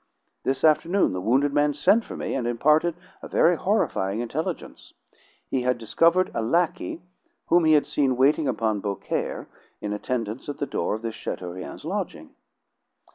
This afternoon the wounded man sent for me, and imparted a very horrifying intelligence. He had discovered a lackey whom he had seen waiting upon Beaucaire in attendance at the door of this Chateaurien's lodging.